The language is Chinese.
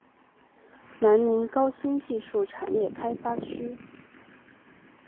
南宁高新技术产业开发区